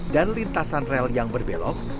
dan lintasan rel yang berbelok